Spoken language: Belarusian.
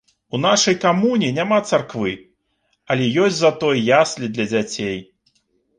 У нашай камуне няма царквы, але ёсць затое яслі для дзяцей.